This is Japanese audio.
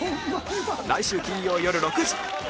来週金曜よる６時